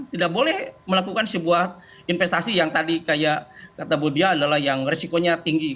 tidak boleh melakukan sebuah investasi yang tadi kata budi adalah yang risikonya tinggi